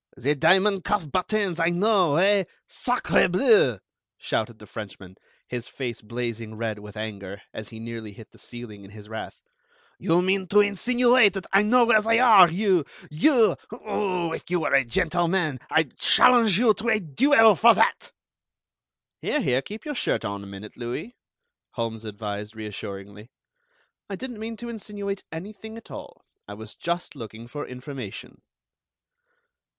"The diamond cuff buttons, I know, eh? Sacré bleu!" shouted the Frenchman, his face blazing red with anger, as he nearly hit the ceiling in his wrath. "You mean to insinuate that I know where they are, you you! If you were a gentleman, I'd challenge you to a duel for that!" "Here, here, keep your shirt on a minute, Louis," Holmes advised reassuringly. "I didn't mean to insinuate anything at all. I was just looking for information."